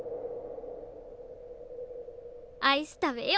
アイス食べよ！